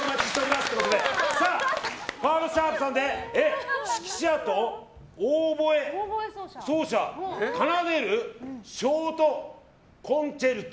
ふぁのシャープさんで指揮者とオーボエ奏者奏でるショートコンチェルト